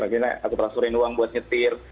akhirnya aku prasurin uang buat nyetir